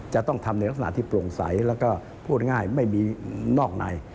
จะต้องทำในลักษณะที่โปร่งใสแล้วก็พูดง่ายไม่มีนอกใน